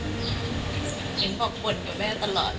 เราไม่ได้ทำผิดอย่างนี้ไง